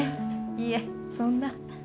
いえそんな。